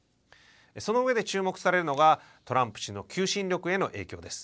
そのうえで注目されるのがトランプ氏の求心力への影響です。